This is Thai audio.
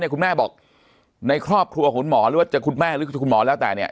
คุณแม่บอกในครอบครัวคุณหมอหรือว่าจะคุณแม่หรือคุณหมอแล้วแต่เนี่ย